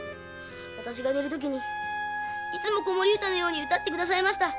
私が寝る時にいつも子守歌のように歌って下さいました。